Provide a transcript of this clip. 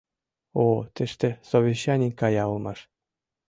— О, тыште совещаний кая улмаш.